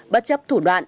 bất chấp thủ đoạn